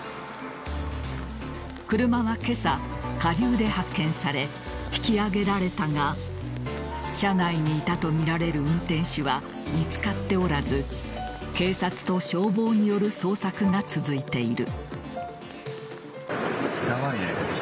車は今朝、下流で発見され引き揚げられたが車内にいたとみられる運転手は見つかっておらず警察と消防による捜索が続いている。